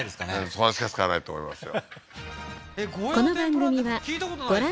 そこしか使わないと思いますよ